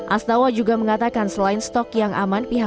astawa juga mengatakan selain stok yang aman